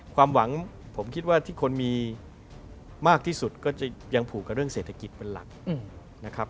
ความหวังผมคิดว่าที่คนมีมากที่สุดก็จะยังผูกกับเรื่องเศรษฐกิจเป็นหลักนะครับ